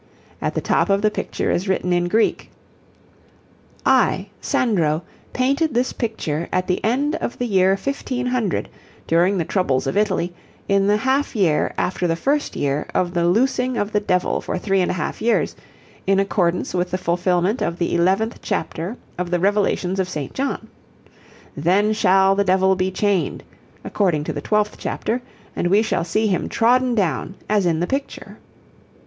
At the top of the picture is written in Greek: I, Sandro, painted this picture at the end of the year 1500, during the troubles of Italy, in the half year after the first year of the loosing of the Devil for 3 1/2 years, in accordance with the fulfilment of the 11th chapter of the Revelations of St. John. Then shall the Devil be chained, according to the 12th chapter, and we shall see him trodden down as in the picture.